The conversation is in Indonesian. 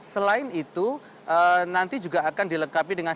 selain itu nanti juga akan dilengkapi dengan